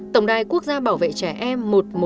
tổng đài quốc gia bảo vệ trẻ em một trăm một mươi một